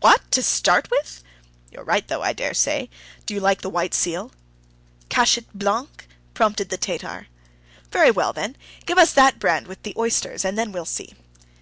"What! to start with? You're right though, I dare say. Do you like the white seal?" "Cachet blanc," prompted the Tatar. "Very well, then, give us that brand with the oysters, and then we'll see."